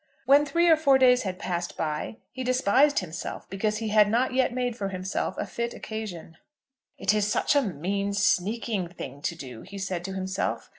When three or four days had passed by, he despised himself because he had not yet made for himself a fit occasion. "It is such a mean, sneaking thing to do," he said to himself.